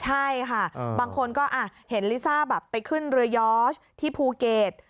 ใช่ค่ะบางคนก็เห็นลิซ่าไปขึ้นเรย้อที่ภูเกต